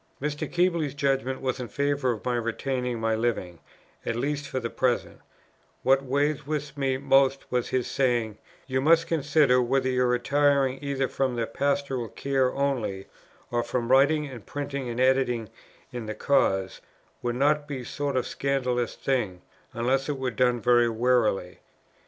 Mr. Keble's judgment was in favour of my retaining my living; at least for the present; what weighed with me most was his saying, "You must consider, whether your retiring either from the Pastoral Care only, or from writing and printing and editing in the cause, would not be a sort of scandalous thing, unless it were done very warily.